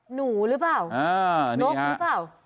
หนูหรือเปล่านกหรือเปล่า